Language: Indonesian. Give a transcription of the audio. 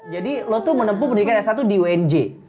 jadi lo tuh menempuh pendidikan s satu di unj